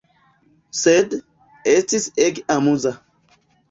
Sed, estis ege amuza.